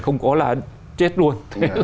không có là chết luôn